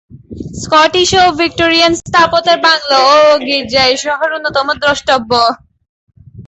Scottish ও Victorian স্থাপত্যের bungalow ও গির্জা এই শহরের অন্যতম দ্রষ্টব্য।